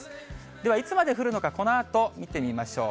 ではいつまで降るのか、このあと見てみましょう。